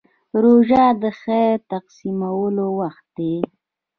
روژه د خیر تقسیمولو وخت دی.